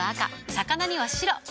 魚には白。